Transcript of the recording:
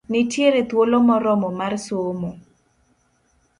Nitiere thuolo moromo mar somo.